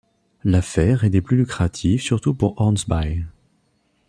L’affaire est des plus lucrative surtout pour Hornsby.